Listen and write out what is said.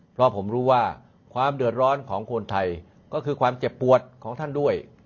เพราะผมรู้ว่าความเดือดร้อนของคนไทยก็คือความเจ็บปวดของท่านด้วย